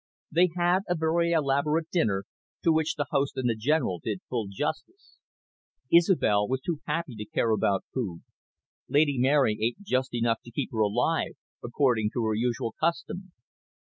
They had a very elaborate dinner, to which the host and the General did full justice. Isobel was too happy to care about food. Lady Mary ate just enough to keep her alive, according to her usual custom.